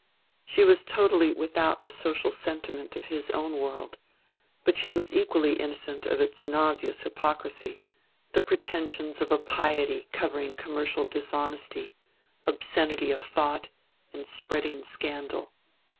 She was totally without the social sentiment of his own world; but she was equally innocent of its nauseous hypocrisy, the pretensions of a piety covering commercial dishonesty, obscenity of thought and spreading scandal.